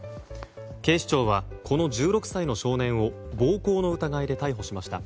警視庁はこの１６歳の少年を暴行の疑いで逮捕しました。